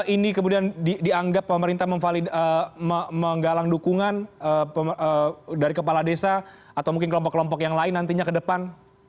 ini kemudian dianggap pemerintah menggalang dukungan dari kepala desa atau mungkin kelompok kelompok yang lain nantinya ke depan